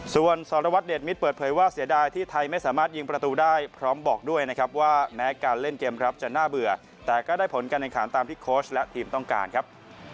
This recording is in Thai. ส่วนสรวัตรเดชมิตรเปิดเผยว่าเสียดายที่ไทยไม่สามารถยิงประตูได้พร้อมบอกด้วยนะครับว่าแม้การเล่นเกมรับจะน่าเบื่อแต่ก็ได้ผลการแข่งขันตามที่โค้ชและทีมต้องการครับ